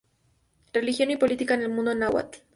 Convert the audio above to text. Religión y política en el mundo náhuatl".